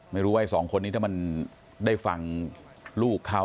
ไม่รู้ว่าไอ้สองคนนี้ถ้ามันได้ฟังลูกเขา